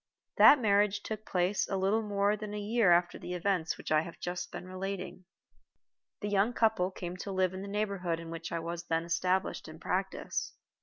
That marriage took place a little more than a year after the events occurred which I have just been relating. The young couple came to live in the neighborhood in which I was then established in practice.